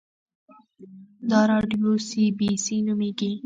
دا راډیو سي بي سي نومیږي